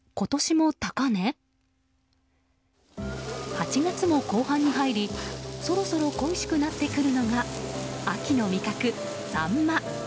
８月も後半に入りそろそろ恋しくなってくるのが秋の味覚、サンマ。